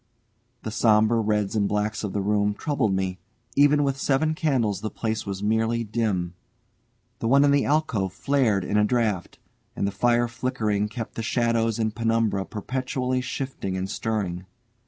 The sombre reds and blacks of the room troubled, me; even with seven candles the place was merely dim. The one in the alcove flared in a draught, and the fire flickering kept the shadows and penumbra perpetually shifting and stirring.